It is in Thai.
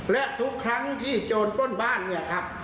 และทุกครั้งที่โจรปล้นบ้านเนี่ยครับ